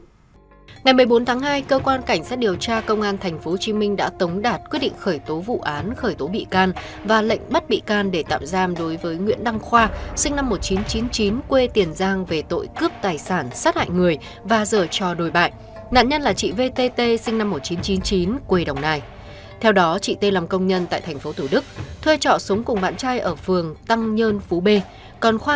trước đó ngày một mươi bốn tháng hai cơ quan cảnh sát điều tra công an tp hcm đã ra quyết định khởi tố vụ án khởi tố bị can ra lệnh bắt bị can để tạm giam đối với nguyễn đăng khoa về tội cướp tài sản giết người hiếp dâm nạn nhân là chị vtt hai mươi năm tuổi ngụ phường tăng nguyên phố b